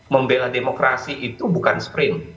membela demokrasi itu bukan sprint